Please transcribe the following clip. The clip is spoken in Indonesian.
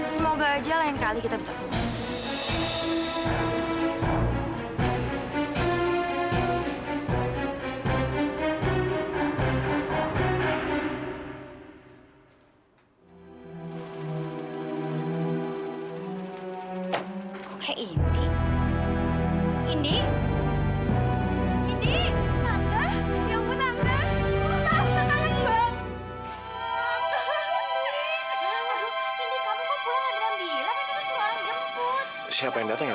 semoga aja lain kali kita bisa ketemu